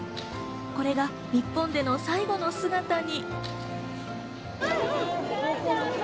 これが日本での最後の姿に。